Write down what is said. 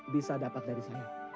bisa dapat dari saya